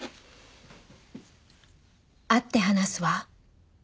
会って話すわ。